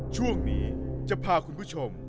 ช่วงนี้จะพาคุณผู้ชม